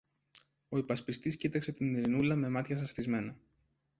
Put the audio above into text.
Ο υπασπιστής κοίταξε την Ειρηνούλα με μάτια σαστισμένα.